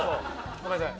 ごめんなさい。